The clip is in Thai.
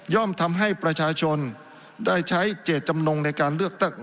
ทำให้ประชาชนได้ใช้เจตจำนงในการเลือกตั้ง